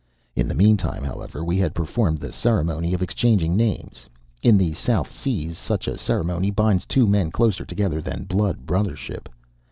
In the meantime, however, we had performed the ceremony of exchanging names. In the South Seas such a ceremony binds two men closer together than blood brothership.